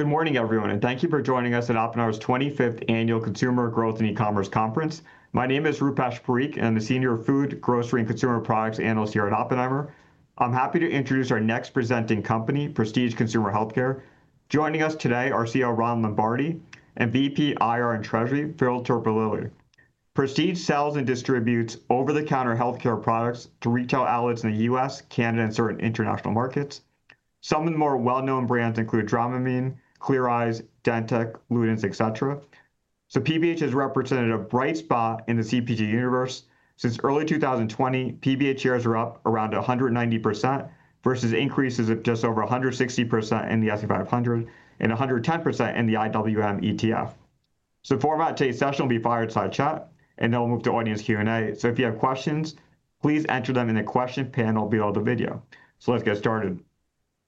Good morning, everyone, and thank you for joining us at Oppenheimer's 25th Annual Consumer Growth and E-commerce Conference. My name is Rupesh Parikh, and I'm the Senior Food, Grocery, and Consumer Products Analyst here at Oppenheimer. I'm happy to introduce our next presenting company, Prestige Consumer Healthcare. Joining us today are CEO Ron Lombardi and VP IR and Treasury Phil Terpolilli. Prestige sells and distributes over-the-counter healthcare products to retail outlets in the U.S., Canada, and certain international markets. Some of the more well-known brands include Dramamine, Clear Eyes, DenTek, Luden's, etc. PBH has represented a bright spot in the CPG universe. Since early 2020, PBH shares are up around 190% versus increases of just over 160% in the S&P 500 and 110% in the IWM ETF. Before we get into today's session, we'll be fireside chat, and then we'll move to audience Q&A. If you have questions, please enter them in the question panel below the video. Let's get started.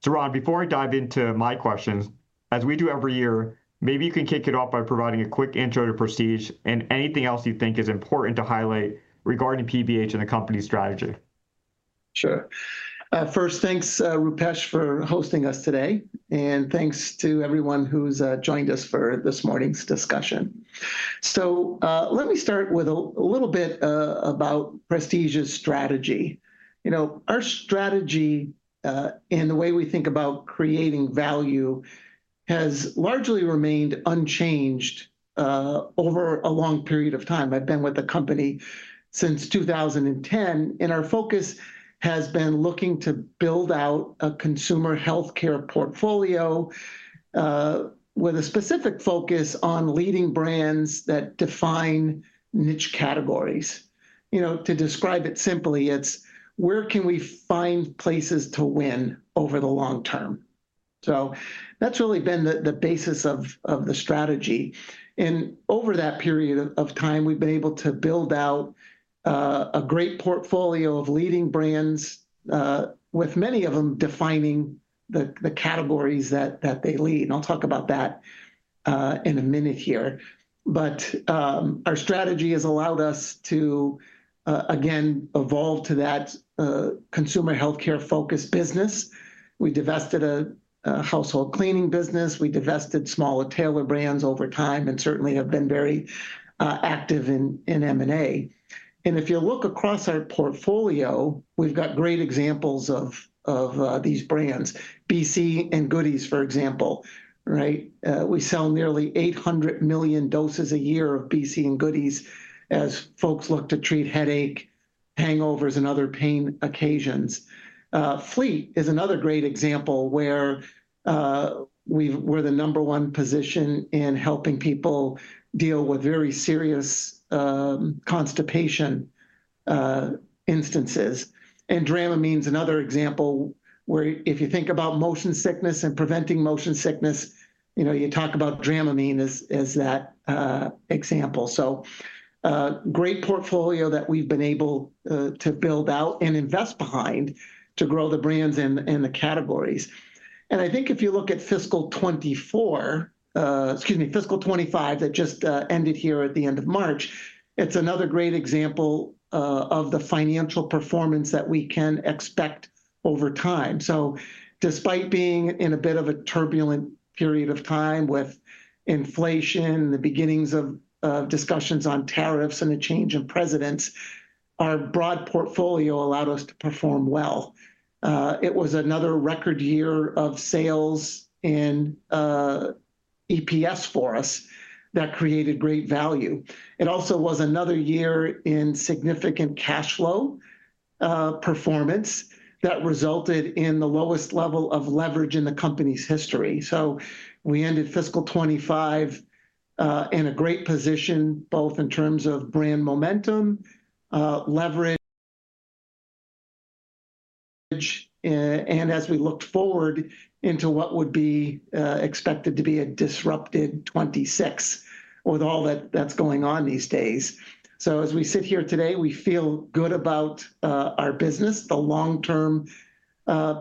Ron, before I dive into my questions, as we do every year, maybe you can kick it off by providing a quick intro to Prestige and anything else you think is important to highlight regarding PBH and the company's strategy. Sure. First, thanks, Rupesh, for hosting us today, and thanks to everyone who's joined us for this morning's discussion. Let me start with a little bit about Prestige's strategy. You know, our strategy and the way we think about creating value has largely remained unchanged over a long period of time. I've been with the company since 2010, and our focus has been looking to build out a consumer healthcare portfolio with a specific focus on leading brands that define niche categories. You know, to describe it simply, it's where can we find places to win over the long term? That's really been the basis of the strategy. Over that period of time, we've been able to build out a great portfolio of leading brands, with many of them defining the categories that they lead. I'll talk about that in a minute here. Our strategy has allowed us to, again, evolve to that consumer healthcare-focused business. We divested a household cleaning business. We divested smaller tailor brands over time and certainly have been very active in M&A. If you look across our portfolio, we've got great examples of these brands. BC and Goody's, for example, right? We sell nearly 800 million doses a year of BC and Goody's as folks look to treat headache, hangovers, and other pain occasions. Fleet is another great example where we're the number one position in helping people deal with very serious constipation instances. Dramamine's another example where if you think about motion sickness and preventing motion sickness, you know, you talk about Dramamine as that example. Great portfolio that we've been able to build out and invest behind to grow the brands and the categories. I think if you look at fiscal 2024, excuse me, fiscal 2025 that just ended here at the end of March, it's another great example of the financial performance that we can expect over time. Despite being in a bit of a turbulent period of time with inflation, the beginnings of discussions on tariffs and a change in presidents, our broad portfolio allowed us to perform well. It was another record year of sales in EPS for us that created great value. It also was another year in significant cash flow performance that resulted in the lowest level of leverage in the company's history. We ended fiscal 2025 in a great position, both in terms of brand momentum, leverage, and as we looked forward into what would be expected to be a disrupted 2026 with all that's going on these days. As we sit here today, we feel good about our business, the long-term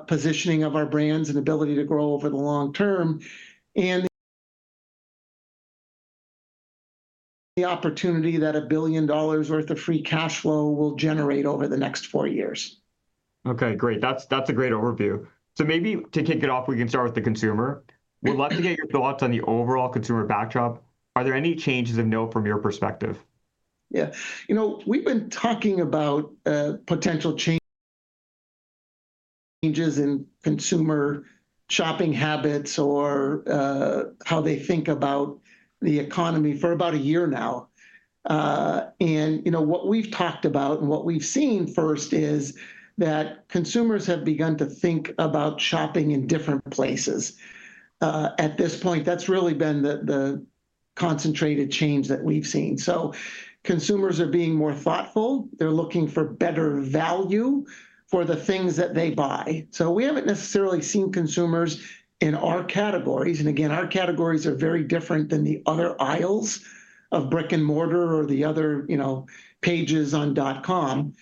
positioning of our brands and ability to grow over the long term, and the opportunity that $1 billion worth of free cash flow will generate over the next four years. Okay, great. That's a great overview. Maybe to kick it off, we can start with the consumer. We'd love to get your thoughts on the overall consumer backdrop. Are there any changes of note from your perspective? Yeah. You know, we've been talking about potential changes in consumer shopping habits or how they think about the economy for about a year now. You know what we've talked about and what we've seen first is that consumers have begun to think about shopping in different places. At this point, that's really been the concentrated change that we've seen. Consumers are being more thoughtful. They're looking for better value for the things that they buy. We haven't necessarily seen consumers in our categories. Again, our categories are very different than the other aisles of brick and mortar or the other pages on dot com.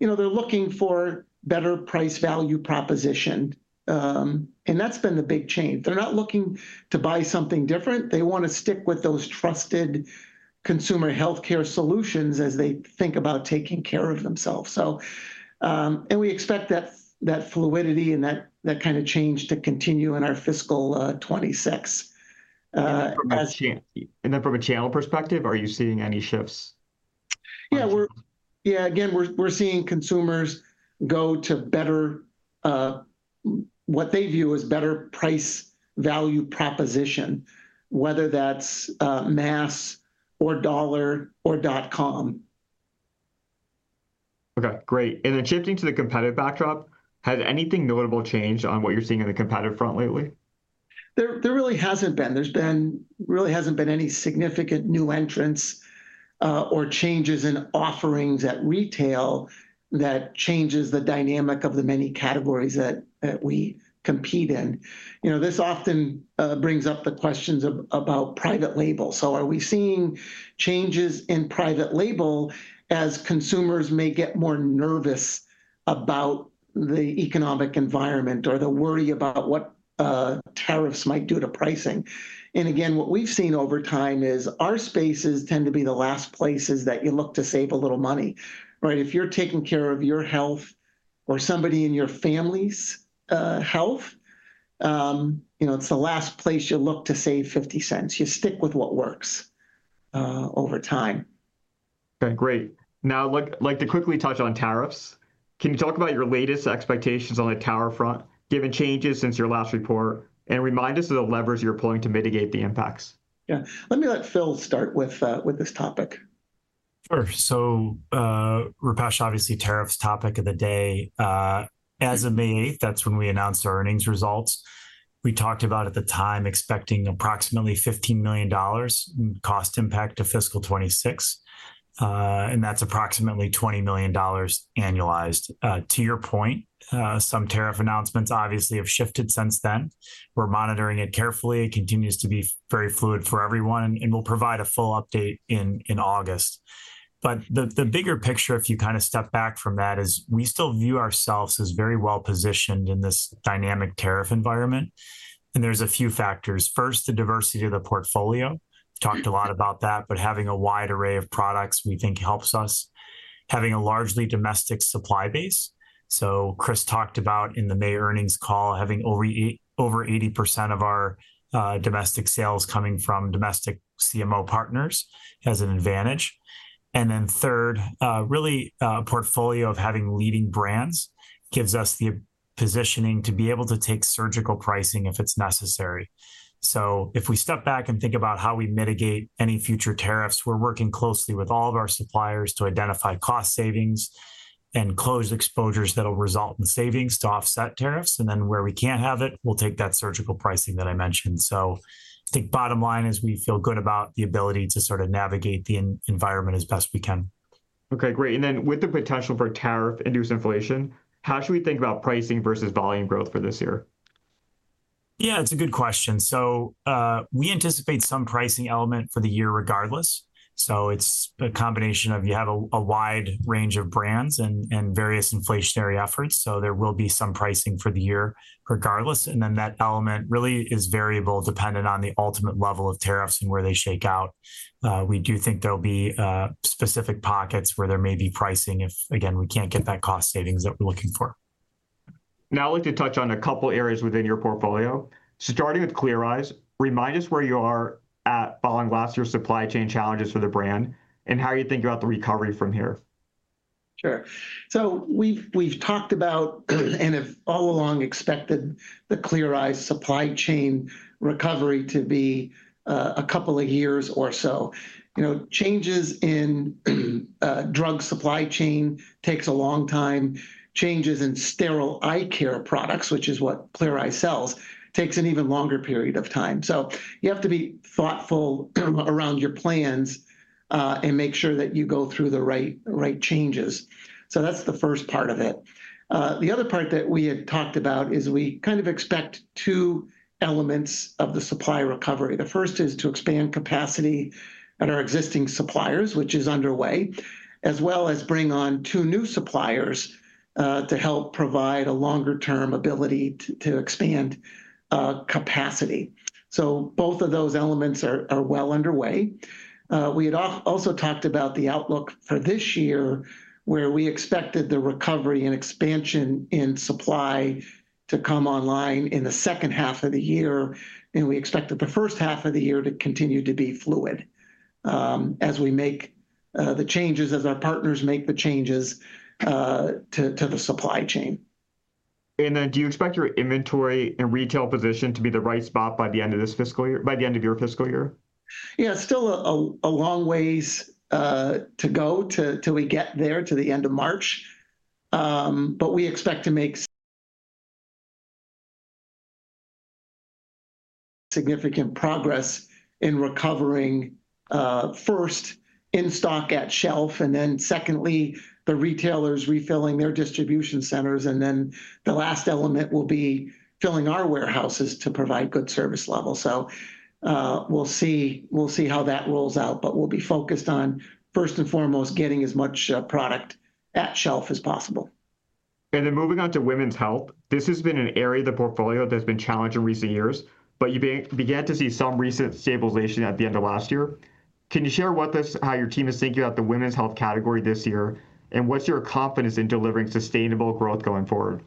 You know they're looking for better price value proposition. That's been the big change. They're not looking to buy something different. They want to stick with those trusted consumer healthcare solutions as they think about taking care of themselves. We expect that fluidity and that kind of change to continue in our fiscal 2026. From a channel perspective, are you seeing any shifts? Yeah, again, we're seeing consumers go to what they view as better price value proposition, whether that's mass or dollar or dot com. Okay, great. And then shifting to the competitive backdrop, has anything notable changed on what you're seeing on the competitive front lately? There really hasn't been. There really hasn't been any significant new entrants or changes in offerings at retail that changes the dynamic of the many categories that we compete in. You know, this often brings up the questions about private label. Are we seeing changes in private label as consumers may get more nervous about the economic environment or the worry about what tariffs might do to pricing? Again, what we've seen over time is our spaces tend to be the last places that you look to save a little money, right? If you're taking care of your health or somebody in your family's health, you know it's the last place you look to save 50 cents. You stick with what works over time. Okay, great. Now, I'd like to quickly touch on tariffs. Can you talk about your latest expectations on the tariff front, given changes since your last report, and remind us of the levers you're pulling to mitigate the impacts? Yeah, let me let Phil start with this topic. Sure. So Rupesh, obviously, tariffs topic of the day. As of May 8, that's when we announced our earnings results. We talked about at the time expecting approximately $15 million in cost impact to fiscal 2026. And that's approximately $20 million annualized. To your point, some tariff announcements obviously have shifted since then. We're monitoring it carefully. It continues to be very fluid for everyone, and we'll provide a full update in August. The bigger picture, if you kind of step back from that, is we still view ourselves as very well positioned in this dynamic tariff environment. There are a few factors. First, the diversity of the portfolio. We've talked a lot about that, but having a wide array of products, we think, helps us. Having a largely domestic supply base. Chris talked about in the May earnings call having over 80% of our domestic sales coming from domestic CMO partners as an advantage. Third, really a portfolio of having leading brands gives us the positioning to be able to take surgical pricing if it's necessary. If we step back and think about how we mitigate any future tariffs, we're working closely with all of our suppliers to identify cost savings and closed exposures that'll result in savings to offset tariffs. Where we can't have it, we'll take that surgical pricing that I mentioned. I think bottom line is we feel good about the ability to sort of navigate the environment as best we can. Okay, great. And then with the potential for tariff-induced inflation, how should we think about pricing versus volume growth for this year? Yeah, it's a good question. We anticipate some pricing element for the year regardless. It's a combination of you have a wide range of brands and various inflationary efforts. There will be some pricing for the year regardless. That element really is variable depending on the ultimate level of tariffs and where they shake out. We do think there'll be specific pockets where there may be pricing if, again, we can't get that cost savings that we're looking for. Now, I'd like to touch on a couple of areas within your portfolio. Starting with Clear Eyes, remind us where you are at following last year's supply chain challenges for the brand and how you think about the recovery from here. Sure. So we've talked about and have all along expected the Clear Eyes supply chain recovery to be a couple of years or so. You know, changes in drug supply chain take a long time. Changes in sterile eye care products, which is what Clear Eyes sells, take an even longer period of time. You have to be thoughtful around your plans and make sure that you go through the right changes. That's the first part of it. The other part that we had talked about is we kind of expect two elements of the supply recovery. The first is to expand capacity at our existing suppliers, which is underway, as well as bring on two new suppliers to help provide a longer-term ability to expand capacity. Both of those elements are well underway. We had also talked about the outlook for this year where we expected the recovery and expansion in supply to come online in the second half of the year. We expected the first half of the year to continue to be fluid as we make the changes, as our partners make the changes to the supply chain. Do you expect your inventory and retail position to be the right spot by the end of this fiscal year, by the end of your fiscal year? Yeah, still a long ways to go till we get there to the end of March. We expect to make significant progress in recovering first in stock at shelf, and then secondly, the retailers refilling their distribution centers. The last element will be filling our warehouses to provide good service level. We will see how that rolls out, but we will be focused on, first and foremost, getting as much product at shelf as possible. Moving on to women's health. This has been an area of the portfolio that's been challenged in recent years, but you began to see some recent stabilization at the end of last year. Can you share with us how your team is thinking about the women's health category this year and what's your confidence in delivering sustainable growth going forward?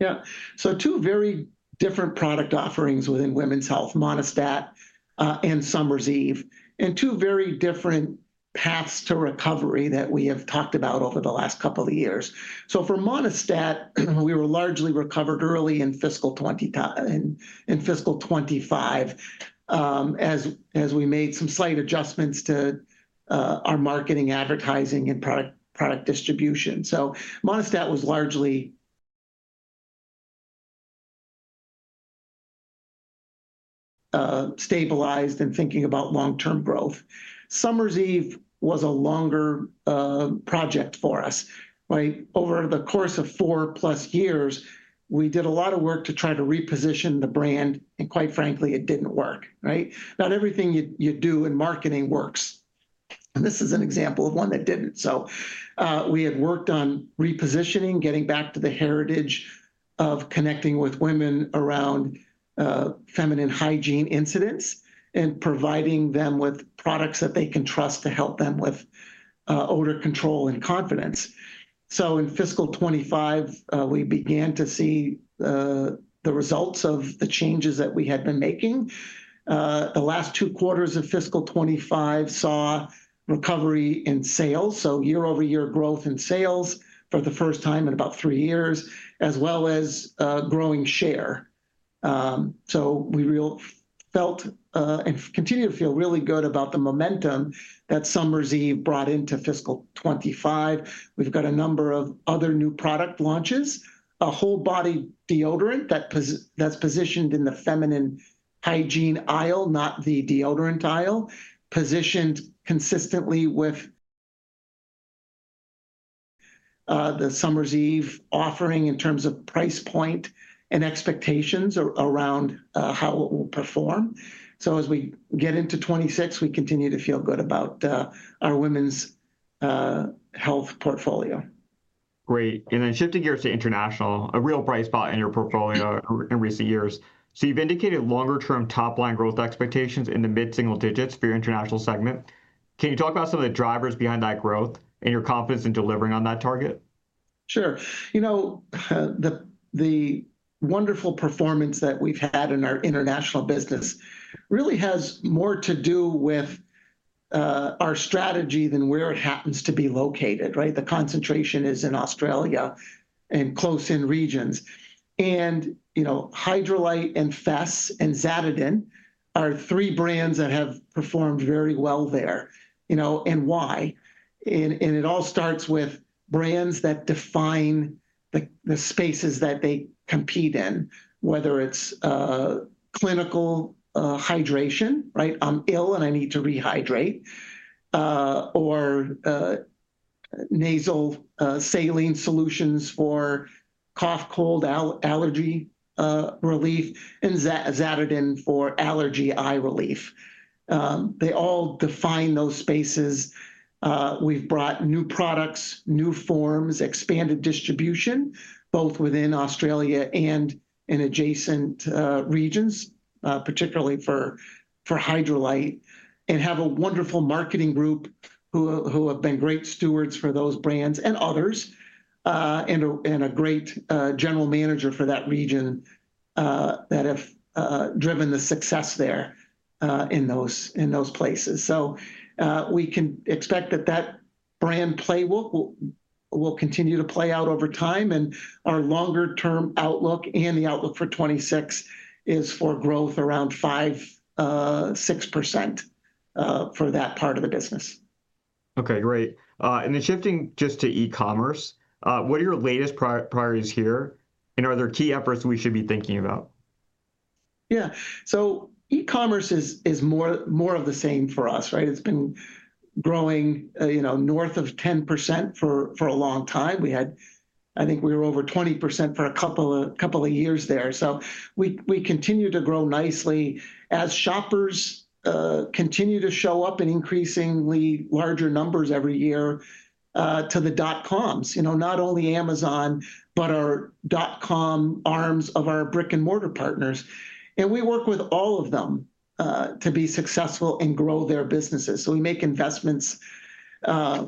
Yeah. Two very different product offerings within women's health, Monistat and Summer's Eve, and two very different paths to recovery that we have talked about over the last couple of years. For Monistat, we were largely recovered early in fiscal 2025 as we made some slight adjustments to our marketing, advertising, and product distribution. Monistat was largely stabilized and thinking about long-term growth. Summer's Eve was a longer project for us. Over the course of four plus years, we did a lot of work to try to reposition the brand. Quite frankly, it did not work. Not everything you do in marketing works. This is an example of one that did not. We had worked on repositioning, getting back to the heritage of connecting with women around feminine hygiene incidents and providing them with products that they can trust to help them with odor control and confidence. In fiscal 2025, we began to see the results of the changes that we had been making. The last two quarters of fiscal 2025 saw recovery in sales, so year-over-year growth in sales for the first time in about three years, as well as growing share. We felt and continue to feel really good about the momentum that Summer's Eve brought into fiscal 2025. We've got a number of other new product launches, a whole body Deodorant that's positioned in the feminine hygiene aisle, not the Deodorant aisle, positioned consistently with the Summer's Eve offering in terms of price point and expectations around how it will perform. As we get into 2026, we continue to feel good about our women's health portfolio. Great. Shifting gears to international, a real bright spot in your portfolio in recent years. You have indicated longer-term top-line growth expectations in the mid-single digits for your international segment. Can you talk about some of the drivers behind that growth and your confidence in delivering on that target? Sure. You know, the wonderful performance that we've had in our international business really has more to do with our strategy than where it happens to be located. The concentration is in Australia and close-in regions. And Hydralyte and Fess and Zaditen are three brands that have performed very well there. And why? And it all starts with brands that define the spaces that they compete in, whether it's clinical hydration, "I'm ill and I need to rehydrate," or nasal saline solutions for cough, cold, allergy relief, and Zaditen for allergy eye relief. They all define those spaces. We've brought new products, new forms, expanded distribution, both within Australia and in adjacent regions, particularly for Hydralyte, and have a wonderful marketing group who have been great stewards for those brands and others, and a great general manager for that region that have driven the success there in those places. We can expect that that brand playbook will continue to play out over time. Our longer-term outlook and the outlook for 2026 is for growth around 5%-6% for that part of the business. Okay, great. Then shifting just to e-commerce, what are your latest priorities here? Are there key efforts we should be thinking about? Yeah. E-commerce is more of the same for us. It's been growing north of 10% for a long time. I think we were over 20% for a couple of years there. We continue to grow nicely as shoppers continue to show up in increasingly larger numbers every year to the dot-coms, not only Amazon, but our dot-com arms of our brick-and-mortar partners. We work with all of them to be successful and grow their businesses. We make investments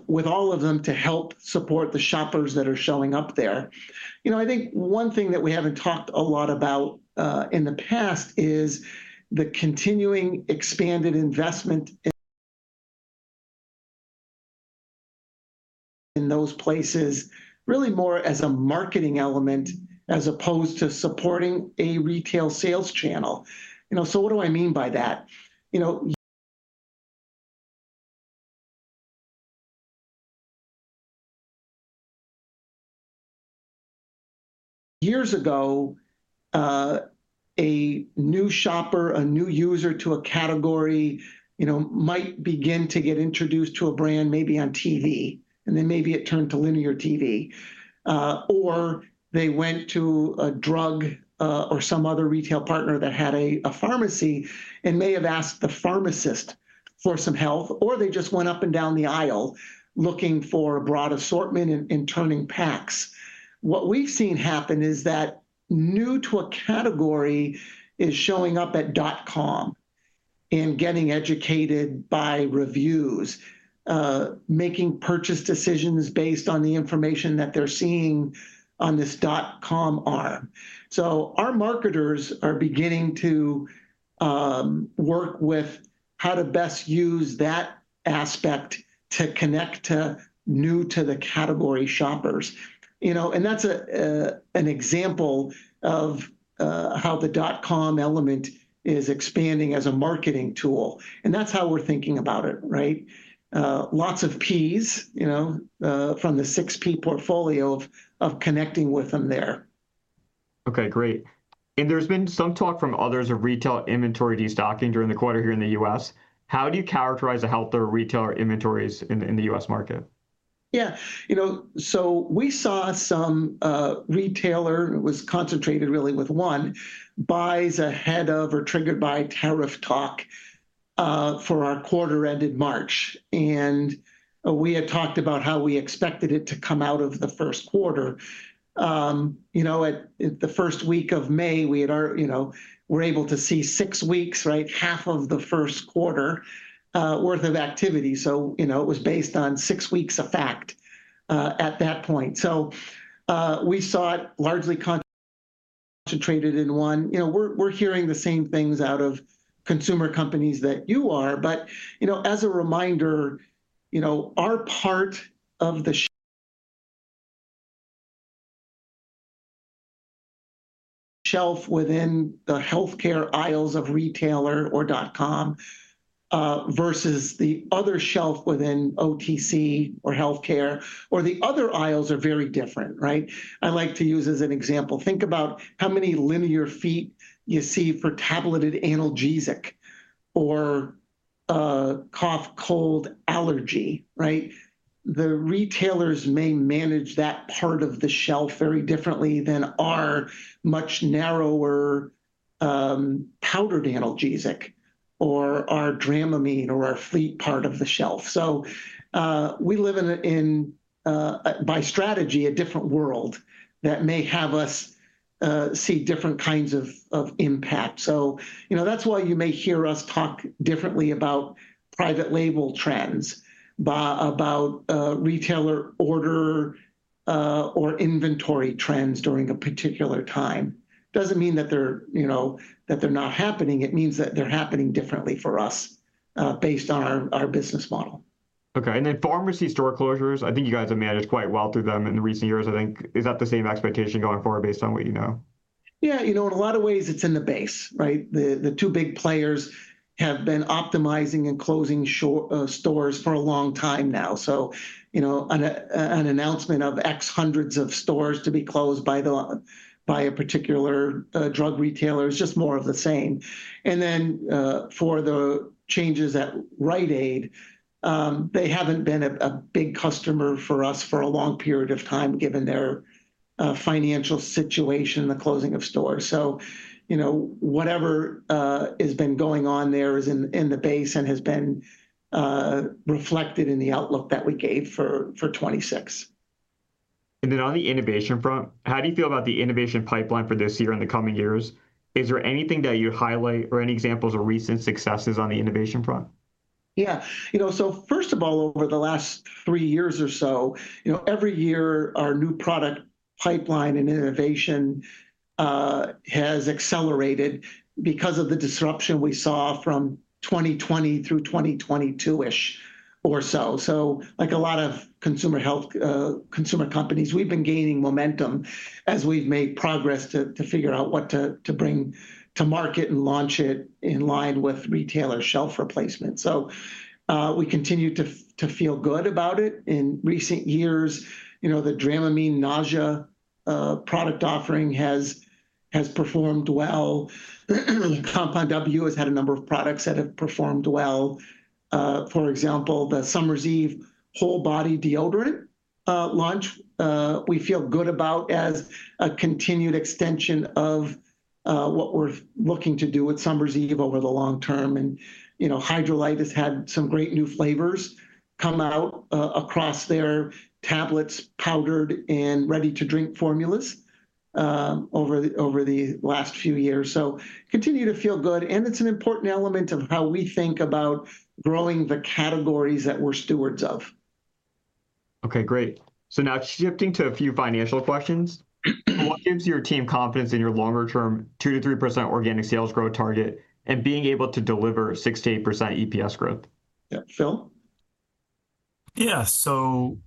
with all of them to help support the shoppers that are showing up there. You know, I think one thing that we haven't talked a lot about in the past is the continuing expanded investment in those places, really more as a marketing element as opposed to supporting a retail sales channel. What do I mean by that? You know, years ago, a new shopper, a new user to a category might begin to get introduced to a brand maybe on TV, and then maybe it turned to linear TV. Or they went to a drug or some other retail partner that had a pharmacy and may have asked the pharmacist for some help, or they just went up and down the aisle looking for a broad assortment and turning packs. What we've seen happen is that new to a category is showing up at dot-com and getting educated by reviews, making purchase decisions based on the information that they're seeing on this dot-com arm. Our marketers are beginning to work with how to best use that aspect to connect to new to the category shoppers. That's an example of how the dot-com element is expanding as a marketing tool. That's how we're thinking about it. Lots of P's from the six P portfolio of connecting with them there. Okay, great. There's been some talk from others of retail inventory destocking during the quarter here in the U.S. How do you characterize healthier retailer inventories in the U.S. market? Yeah. You know, so we saw some retailer, it was concentrated really with one, buys ahead of or triggered by tariff talk for our quarter-ended March. And we had talked about how we expected it to come out of the first quarter. You know, at the first week of May, we were able to see six weeks, half of the first quarter worth of activity. So it was based on six weeks of fact at that point. So we saw it largely concentrated in one. We're hearing the same things out of consumer companies that you are. But as a reminder, our part of the shelf within the healthcare aisles of retailer or dot-com versus the other shelf within OTC or healthcare or the other aisles are very different. I like to use as an example, think about how many linear feet you see for tableted analgesic or cough, cold, allergy. The retailers may manage that part of the shelf very differently than our much narrower powdered analgesic or our Dramamine or our Fleet part of the shelf. We live in, by strategy, a different world that may have us see different kinds of impact. That is why you may hear us talk differently about private label trends, about retailer order or inventory trends during a particular time. It does not mean that they are not happening. It means that they are happening differently for us based on our business model. Okay. And then pharmacies' store closures, I think you guys have managed quite well through them in the recent years. I think is that the same expectation going forward based on what you know? Yeah. You know, in a lot of ways, it's in the base. The two big players have been optimizing and closing stores for a long time now. An announcement of X hundreds of stores to be closed by a particular drug retailer is just more of the same. For the changes at Rite Aid, they haven't been a big customer for us for a long period of time given their financial situation, the closing of stores. Whatever has been going on there is in the base and has been reflected in the outlook that we gave for 2026. On the innovation front, how do you feel about the innovation pipeline for this year and the coming years? Is there anything that you'd highlight or any examples of recent successes on the innovation front? Yeah. You know, first of all, over the last three years or so, every year our new product pipeline and innovation has accelerated because of the disruption we saw from 2020 through 2022-ish or so. Like a lot of consumer health consumer companies, we've been gaining momentum as we've made progress to figure out what to bring to market and launch it in line with retailer shelf replacement. We continue to feel good about it. In recent years, the Dramamine Nausea product offering has performed well. Compound W has had a number of products that have performed well. For example, the Summer's Eve whole body Deodorant launch we feel good about as a continued extension of what we're looking to do with Summer's Eve over the long term. Hydralyte has had some great new flavors come out across their tablets, powdered and ready-to-drink formulas over the last few years. I continue to feel good. It is an important element of how we think about growing the categories that we are stewards of. Okay, great. Now shifting to a few financial questions. What gives your team confidence in your longer-term 2%-3% organic sales growth target and being able to deliver 6%-8% EPS growth? Yeah, Phil. Yeah.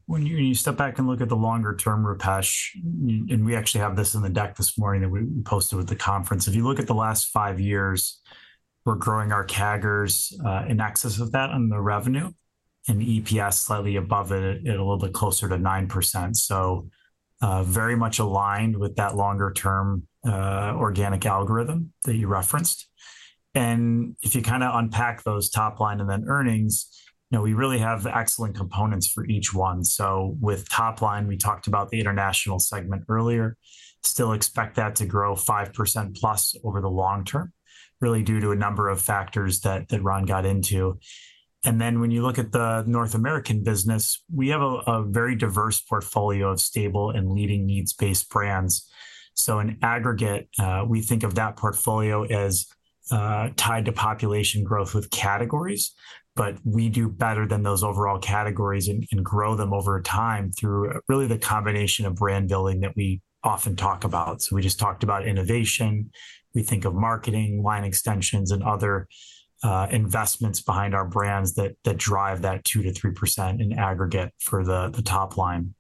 When you step back and look at the longer-term, Rupesh, and we actually have this in the deck this morning that we posted with the conference. If you look at the last five years, we're growing our CAGRs in excess of that on the revenue and EPS slightly above it, a little bit closer to 9%. Very much aligned with that longer-term organic algorithm that you referenced. If you kind of unpack those top line and then earnings, we really have excellent components for each one. With top line, we talked about the international segment earlier, still expect that to grow 5% plus over the long term, really due to a number of factors that Ron got into. When you look at the North American business, we have a very diverse portfolio of stable and leading needs-based brands. In aggregate, we think of that portfolio as tied to population growth with categories, but we do better than those overall categories and grow them over time through really the combination of brand building that we often talk about. We just talked about innovation. We think of marketing, line extensions, and other investments behind our brands that drive that 2%-3% in aggregate for the top line.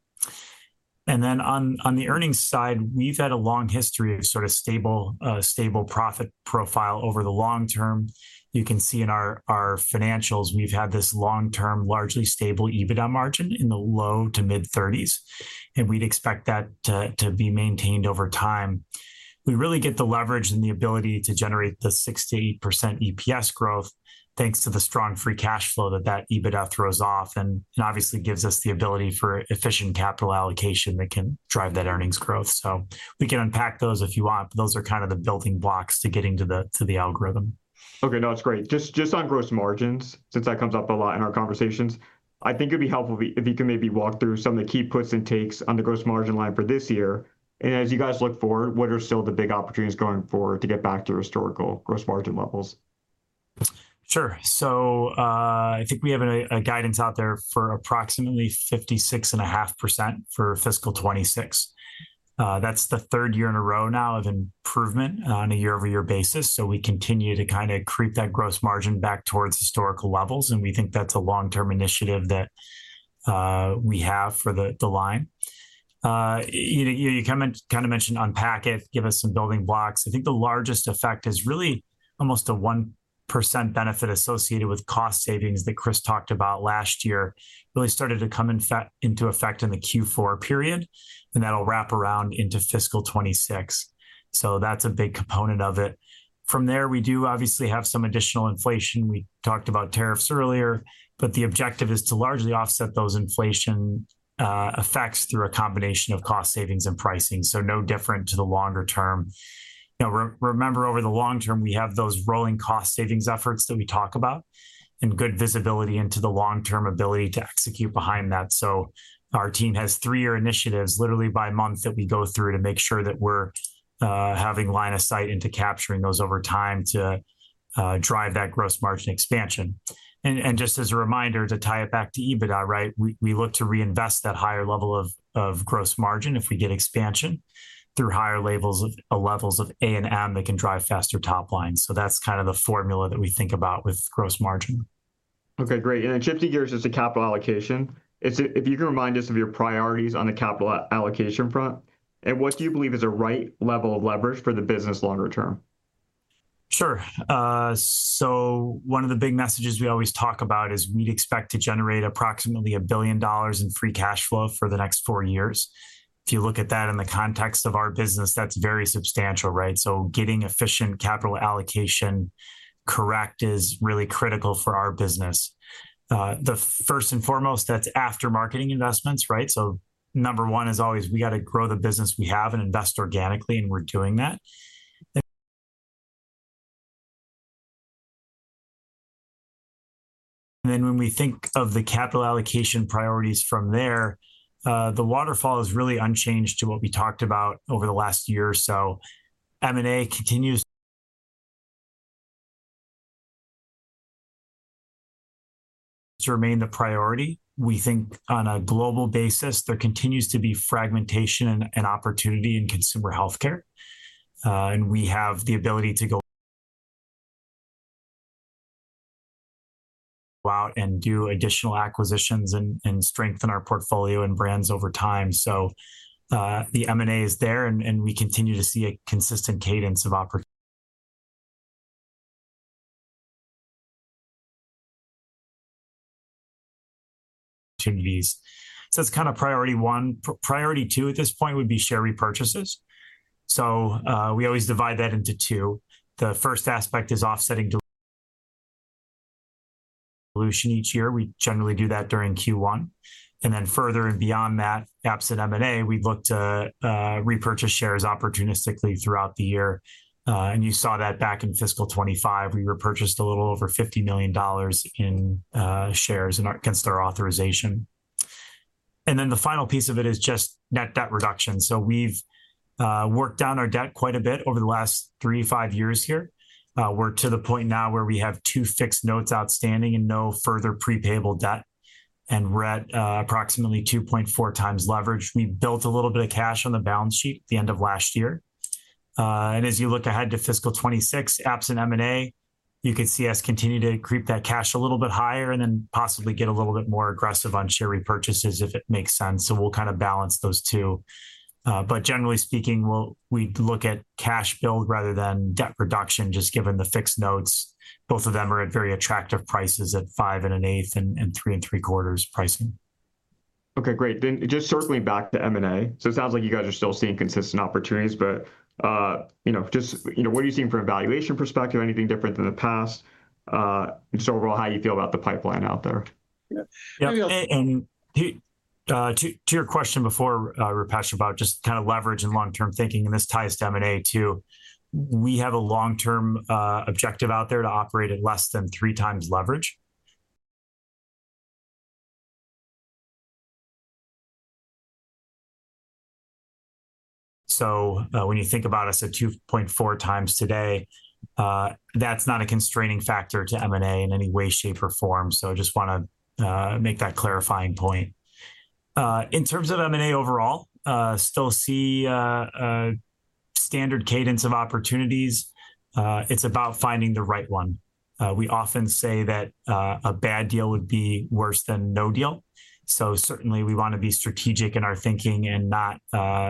On the earnings side, we've had a long history of sort of stable profit profile over the long term. You can see in our financials, we've had this long-term largely stable EBITDA margin in the low to mid-30s. We'd expect that to be maintained over time. We really get the leverage and the ability to generate the 6%-8% EPS growth thanks to the strong free cash flow that EBITDA throws off and obviously gives us the ability for efficient capital allocation that can drive that earnings growth. We can unpack those if you want, but those are kind of the building blocks to getting to the algorithm. Okay, no, that's great. Just on gross margins, since that comes up a lot in our conversations, I think it'd be helpful if you could maybe walk through some of the key puts and takes on the gross margin line for this year. As you guys look forward, what are still the big opportunities going forward to get back to your historical gross margin levels? Sure. I think we have a guidance out there for approximately 56.5% for fiscal 2026. That is the third year in a row now of improvement on a year-over-year basis. We continue to kind of creep that gross margin back towards historical levels. We think that is a long-term initiative that we have for the line. You kind of mentioned unpack it, give us some building blocks. I think the largest effect is really almost a 1% benefit associated with cost savings that Chris talked about last year really started to come into effect in the Q4 period. That will wrap around into fiscal 2026. That is a big component of it. From there, we do obviously have some additional inflation. We talked about tariffs earlier, but the objective is to largely offset those inflation effects through a combination of cost savings and pricing. No different to the longer term. Remember, over the long term, we have those rolling cost savings efforts that we talk about and good visibility into the long-term ability to execute behind that. Our team has three-year initiatives literally by month that we go through to make sure that we're having line of sight into capturing those over time to drive that gross margin expansion. Just as a reminder to tie it back to EBITDA, we look to reinvest that higher level of gross margin if we get expansion through higher levels of A and M that can drive faster top line. That's kind of the formula that we think about with gross margin. Okay, great. And then shifting gears to capital allocation, if you can remind us of your priorities on the capital allocation front, and what do you believe is a right level of leverage for the business longer term? Sure. One of the big messages we always talk about is we'd expect to generate approximately $1 billion in free cash flow for the next four years. If you look at that in the context of our business, that's very substantial. Getting efficient capital allocation correct is really critical for our business. First and foremost, that's after marketing investments. Number one is always we got to grow the business we have and invest organically, and we're doing that. When we think of the capital allocation priorities from there, the waterfall is really unchanged to what we talked about over the last year or so. M&A continues to remain the priority. We think on a global basis, there continues to be fragmentation and opportunity in consumer healthcare. We have the ability to go out and do additional acquisitions and strengthen our portfolio and brands over time. The M&A is there, and we continue to see a consistent cadence of opportunities. That is kind of priority one. Priority two at this point would be share repurchases. We always divide that into two. The first aspect is offsetting dilution each year. We generally do that during Q1. Further and beyond that, absent M&A, we look to repurchase shares opportunistically throughout the year. You saw that back in fiscal 2025. We repurchased a little over $50 million in shares against our authorization. The final piece of it is just net debt reduction. We have worked down our debt quite a bit over the last three to five years here. We're to the point now where we have two fixed notes outstanding and no further prepayable debt and run approximately 2.4 times leverage. We built a little bit of cash on the balance sheet at the end of last year. As you look ahead to fiscal 2026, absent M&A, you can see us continue to creep that cash a little bit higher and then possibly get a little bit more aggressive on share repurchases if it makes sense. We will kind of balance those two. Generally speaking, we look at cash build rather than debt reduction just given the fixed notes. Both of them are at very attractive prices at five and an eighth and three and three quarters pricing. Okay, great. Just circling back to M&A. It sounds like you guys are still seeing consistent opportunities, but just what are you seeing from a valuation perspective? Anything different than the past? Just overall, how do you feel about the pipeline out there? Yeah. To your question before, Rupesh, about just kind of leverage and long-term thinking, and this ties to M&A too, we have a long-term objective out there to operate at less than three times leverage. When you think about us at 2.4 times today, that's not a constraining factor to M&A in any way, shape, or form. I just want to make that clarifying point. In terms of M&A overall, still see a standard cadence of opportunities. It's about finding the right one. We often say that a bad deal would be worse than no deal. Certainly we want to be strategic in our thinking and not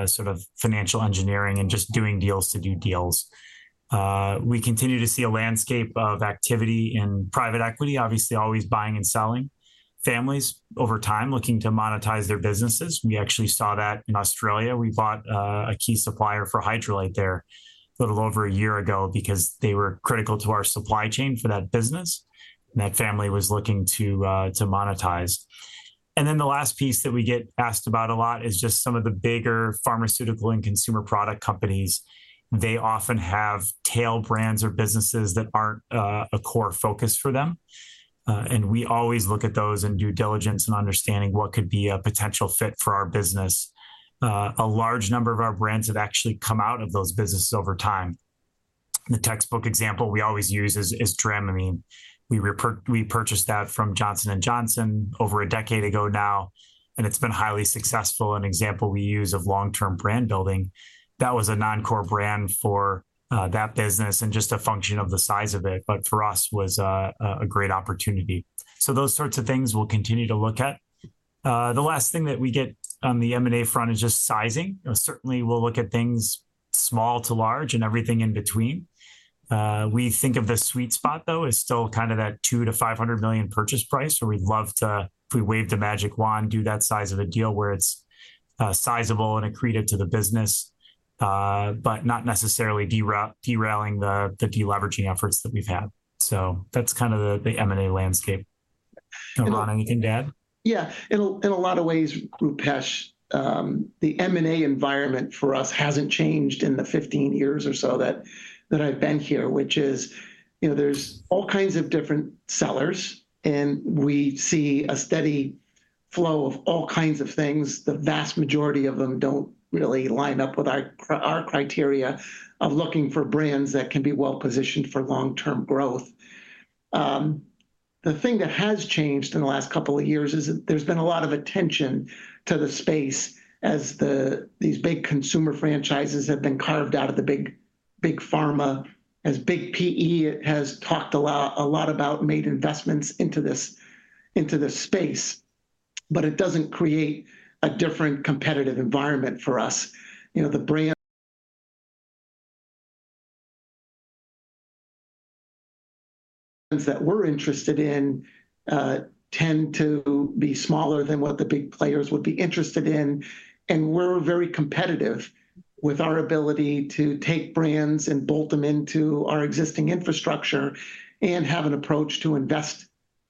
sort of financial engineering and just doing deals to do deals. We continue to see a landscape of activity in private equity, obviously always buying and selling, families over time looking to monetize their businesses. We actually saw that in Australia. We bought a key supplier for Hydralyte there a little over a year ago because they were critical to our supply chain for that business. That family was looking to monetize. The last piece that we get asked about a lot is just some of the bigger pharmaceutical and consumer product companies. They often have tail brands or businesses that are not a core focus for them. We always look at those and do diligence and understanding what could be a potential fit for our business. A large number of our brands have actually come out of those businesses over time. The textbook example we always use is Dramamine. We purchased that from Johnson & Johnson over a decade ago now, and it has been highly successful. An example we use of long-term brand building, that was a non-core brand for that business and just a function of the size of it, but for us was a great opportunity. Those sorts of things we'll continue to look at. The last thing that we get on the M&A front is just sizing. Certainly, we'll look at things small to large and everything in between. We think of the sweet spot, though, as still kind of that $200 million-$500 million purchase price, where we'd love to, if we wave the magic wand, do that size of a deal where it's sizable and accretive to the business, but not necessarily derailing the deleveraging efforts that we've had. That's kind of the M&A landscape. Ron, anything to add? Yeah. In a lot of ways, Rupesh, the M&A environment for us hasn't changed in the 15 years or so that I've been here, which is there's all kinds of different sellers, and we see a steady flow of all kinds of things. The vast majority of them don't really line up with our criteria of looking for brands that can be well-positioned for long-term growth. The thing that has changed in the last couple of years is that there's been a lot of attention to the space as these big consumer franchises have been carved out of the big pharma, as big PE has talked a lot about made investments into this space, but it doesn't create a different competitive environment for us. The brands that we're interested in tend to be smaller than what the big players would be interested in. We are very competitive with our ability to take brands and bolt them into our existing infrastructure and have an approach to invest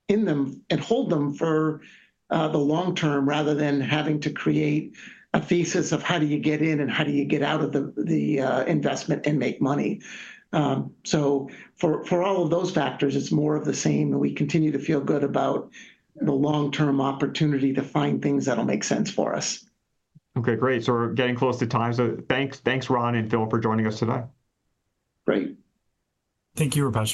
in them and hold them for the long term rather than having to create a thesis of how do you get in and how do you get out of the investment and make money. For all of those factors, it is more of the same. We continue to feel good about the long-term opportunity to find things that will make sense for us. Okay, great. We're getting close to time. Thanks, Ron and Phil, for joining us today. Great. Thank you, Rupesh.